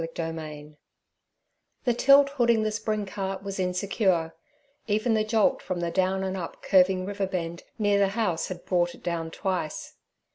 Chapter 13 THE tilt hooding the spring cart was insecure—even the jolt from the down and up curving river bend near the house had brought it down twice.